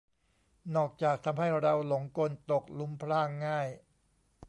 นอกจากทำให้เราหลงกลตกหลุมพรางง่าย